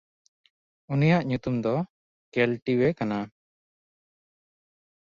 ᱩᱱᱤᱭᱟᱜ ᱧᱩᱛᱩᱢ ᱫᱚ ᱠᱮᱞᱴᱤᱣᱮ ᱠᱟᱱᱟ᱾